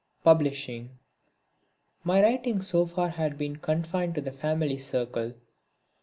(20) Publishing My writings so far had been confined to the family circle.